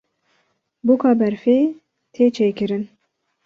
Bûka berfê tê çêkirin.